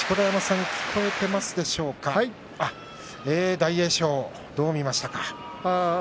大栄翔、どう見ましたか？